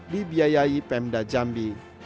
dibiayai pemda jambi